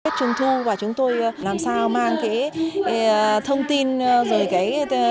trung thu và chúng tôi làm sao mang cái thông tin rồi cái